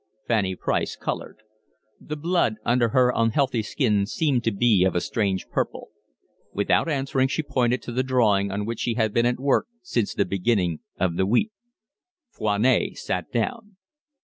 Fanny Price coloured. The blood under her unhealthy skin seemed to be of a strange purple. Without answering she pointed to the drawing on which she had been at work since the beginning of the week. Foinet sat down.